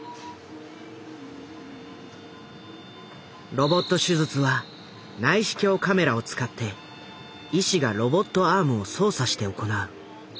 ロボット手術は内視鏡カメラを使って医師がロボットアームを操作して行う。